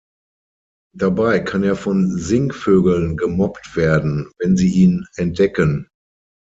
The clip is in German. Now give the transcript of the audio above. Dabei kann er von Singvögeln gemobbt werden, wenn sie ihn entdecken.